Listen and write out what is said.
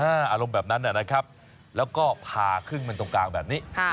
อ่าอารมณ์แบบนั้นน่ะนะครับแล้วก็ผ่าขึ้นเป็นตรงกลางแบบนี้ค่ะ